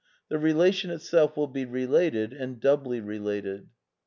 The relation itself will be related, and doubly related.